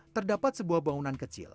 terdapat sebuah bangunan kecil